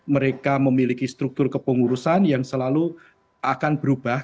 mereka memiliki struktur kepengurusan yang selalu akan berubah